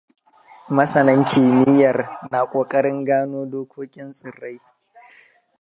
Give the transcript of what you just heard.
Masanan kimiyyar na ƙoƙarin gano dokokin tsirrai.